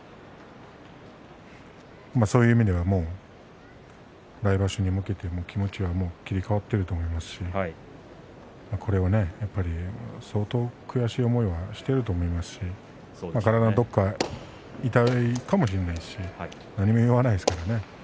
そういう意味では来場所に向けてもう気持ちは切り替わっていると思いますしこれはやっぱり相当悔しい思いをしていると思いますし体のどこか痛いかもしれないし何も言わないですからね。